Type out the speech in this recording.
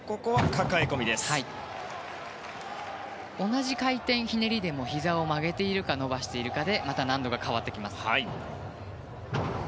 同じ回転ひねりでもひざを曲げているか伸ばしているかでまた難度が変わってきます。